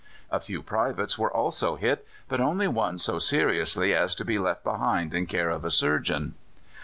A few privates were also hit, but only one so seriously as to be left behind in care of a surgeon.